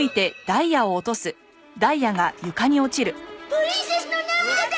プリンセスの涙だ！